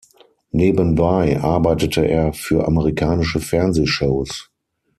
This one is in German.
Nebenbei arbeitete er für amerikanische Fernsehshows.